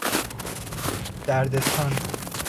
دردستان